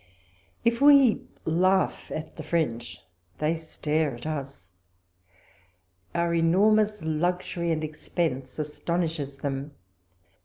If we laugh at the French, they stare at us. Our enormous luxury and expense astonishes them.